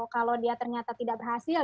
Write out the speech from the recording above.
kalau dia ternyata tidak berhasil